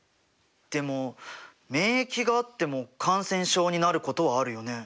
でも免疫があっても感染症になることはあるよね？